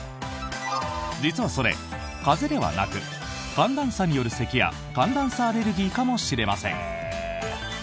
実はそれ、風邪ではなく寒暖差によるせきや寒暖差アレルギーかもしれません。